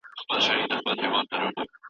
ماشومان به خوندي زده کړه وکړي.